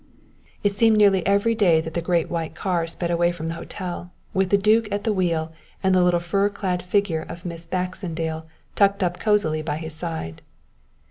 It seemed nearly every day that the great white car sped away from the hotel with the duke at the wheel and the little fur clad figure of Miss Baxendale tucked up cosily by his side.